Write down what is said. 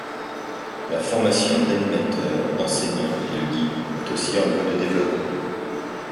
La formation d’animateurs, d’enseignants et de guides est aussi en voie de développement.